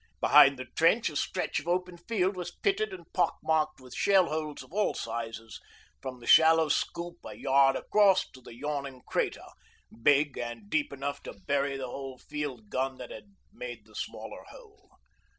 Behind the trench a stretch of open field was pitted and pock marked with shell holes of all sizes from the shallow scoop a yard across to the yawning crater, big and deep enough to bury the whole field gun that had made the smaller hole.